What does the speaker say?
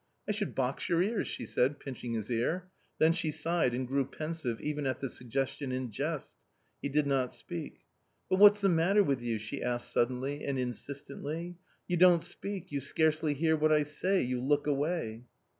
r " I should box your ears," she said, pinching his ear ; then she sighed and grew pensive even at the suggestion in jest. He did not speak. " But what's the matter with you ?" she asked suddenly and insistently ;" you don't speak, you scarcely hear what I say, you look away."